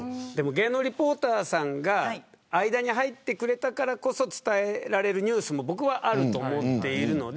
芸能リポーターさんが間に入ってくれたからこそ伝えられるニュースもあると思っているので。